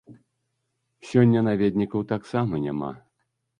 Сёння наведнікаў таксама няма.